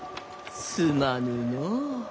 すまぬのう。